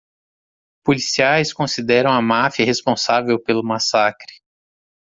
Policiais consideram a máfia responsável pelo massacre.